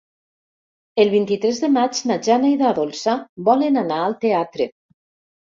El vint-i-tres de maig na Jana i na Dolça volen anar al teatre.